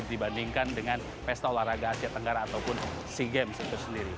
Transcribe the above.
dibandingkan dengan pesta olahraga asia tenggara ataupun sea games itu sendiri